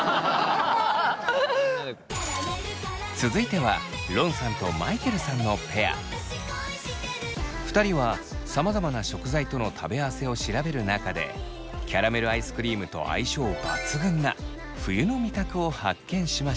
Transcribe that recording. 続いては２人はさまざまな食材との食べ合わせを調べる中でキャラメルアイスクリームと相性抜群な冬の味覚を発見しました。